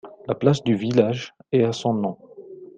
La place du village est à son nom.